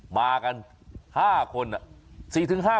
มากัน๕คน